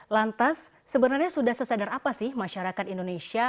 lantas sebenarnya sudah sesadar apa sih masyarakat indonesia